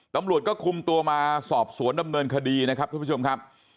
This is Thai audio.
ตำรวจก็คุมตัวมาสอบสวนดำเนินคดีนะครับทุกผู้ชมครับ